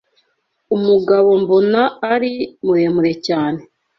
Umugabo mbona ari muremure cyane.